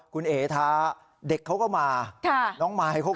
คุณเอ๋ท้าเด็กเขาก็มาน้องมายเขาก็